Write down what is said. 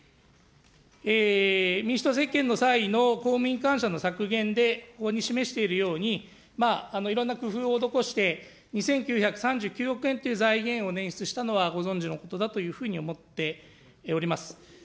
民主党政権の際の公務員官舎の削減でここに示しているように、いろんな工夫を施して、２９３９億円という財源を捻出したのはご存じのことだというふうに思っております。